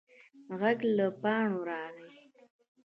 غږ له پاڼو راغی.